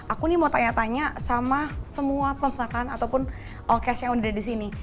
aku mau tanya tanya sama semua penonton ataupun all cast yang udah disini